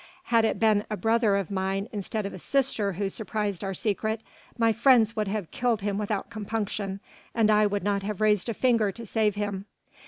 Had it been a brother of mine instead of a sister who surprised our secret, my friends would have killed him without compunction and I would not have raised a finger to save him.